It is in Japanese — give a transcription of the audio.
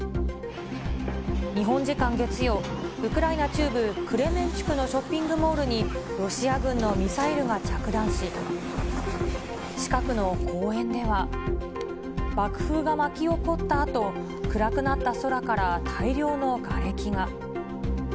日本時間月曜、ウクライナ中部クレメンチュクのショッピングモールに、ロシア軍のミサイルが着弾し、近くの公園では、爆風が巻き起こったあと、暗くなった空から大量のがれきが。